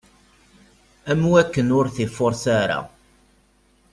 Am wakken ur t-ifures ara.